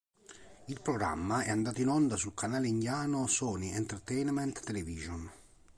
Il programma è andato in onda sul canale indiano "Sony Entertainment Television".